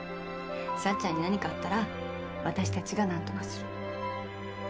幸ちゃんに何かあったら私たちがなんとかする。